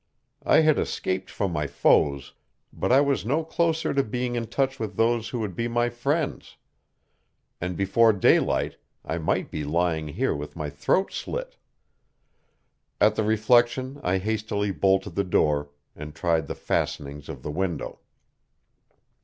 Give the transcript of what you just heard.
I had escaped from my foes, but I was no closer to being in touch with those who would be my friends; and before daylight I might be lying here with my throat slit. At the reflection I hastily bolted the door, and tried the fastenings of the window.